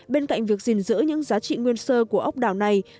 bên cạnh việc gìn giữ những giá trị nguyên sơ của ốc đảo này